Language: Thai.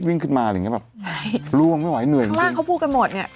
วิ่งขึ้นมาอะไรอย่างเงี้แบบใช่ล่วงไม่ไหวเหนื่อยข้างล่างเขาพูดกันหมดเนี่ย